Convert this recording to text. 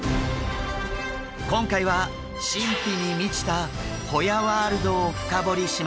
今回は神秘に満ちたホヤワールドを深掘りします。